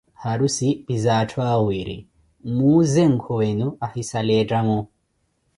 Harussi pizaa atthu awiri, mwimuuze nkwewenu ahisala eettamo.